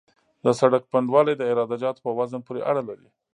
د سرک پنډوالی د عراده جاتو په وزن پورې اړه لري